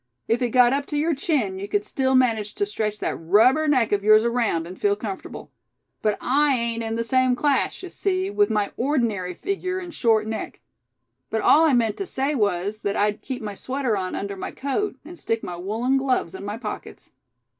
If it got up to your chin, you could still manage to stretch that rubber neck of yours around, and feel comfortable. But I ain't in the same class, you see, with my ordinary figure, and short neck. But all I meant to say was, that I'd keep my sweater on under my coat, and stick my woolen gloves in my pockets."